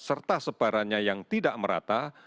serta sebarannya yang tidak merata